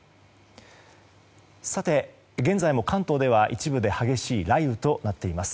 現在も関東では一部で激しい雷雨となっています。